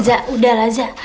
za udahlah za